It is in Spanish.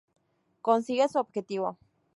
Consigue su objetivo.